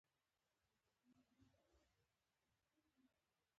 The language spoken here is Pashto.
پوښتل یې چې ولې اسرائیلو ته ځم او څومره وخت پاتې کېږم.